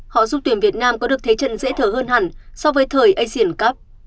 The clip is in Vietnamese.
họ giúp tuyển việt nam có được thế trận dễ thở hơn hẳn so với thời asian cup